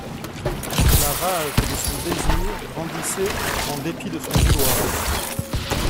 La rage de son désir grandissait en dépit de son vouloir.